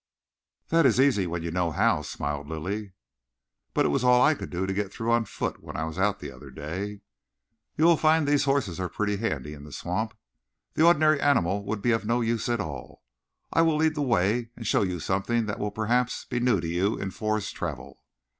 "That is easy when you know how," smiled Lilly. "But it was all I could do to get through on foot when I was out the other day." "You will find these horses are pretty handy in the swamp. The ordinary animal would be of no use at all. I will lead the way and show you something that will perhaps be new to you in forest travel."